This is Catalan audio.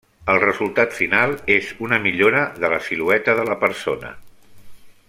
El resultat final és una millora de la silueta de la persona.